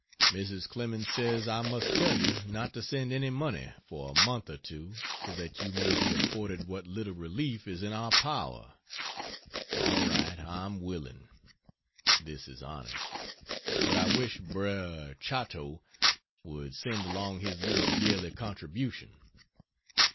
Mrs. Clemens says I must tell you not to send any money for a month or two so that you may be afforded what little relief is in our power. All right I'm willing; (this is honest) but I wish Brer Chatto would send along his little yearly contribution.